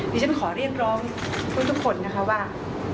ดิฉันขอเรียกร้องทุกคนนะคะว่า